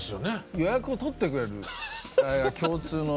予約をとってくれる共通の。